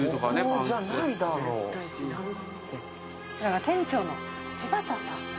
こちらは店長の柴田さん。